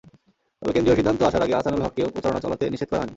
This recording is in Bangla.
তবে কেন্দ্রীয় সিদ্ধান্ত আসার আগে আহসানুল হককেও প্রচারণা চলাতে নিষেধ করা হয়নি।